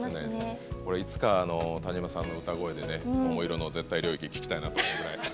いつか、田島さんの歌声で「桃色の絶対領域」聴きたいなと思います。